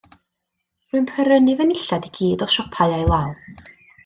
Rwy'n prynu fy nillad i gyd o siopau ail-law.